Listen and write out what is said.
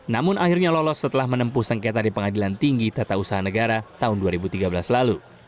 namun akhirnya lolos setelah menempuh sengketa di pengadilan tinggi tata usaha negara tahun dua ribu tiga belas lalu